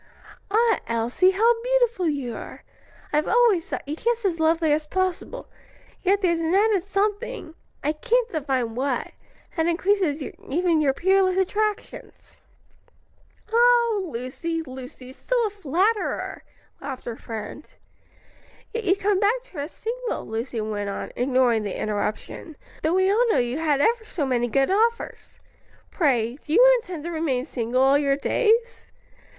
Ah, Elsie, how beautiful you are! I've always thought you just as lovely as possible, yet there's an added something I can't divine what that increases even your peerless attractions." "O Lucy, Lucy, still a flatterer!" laughed her friend. "Yet you've come back to us single," Lucy went on, ignoring the interruption, "though we all know you had ever so many good offers. Pray, do you intend to remain single all your days?"